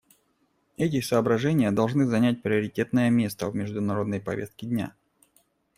Эти соображения должны занять приоритетное место в международной повестке дня.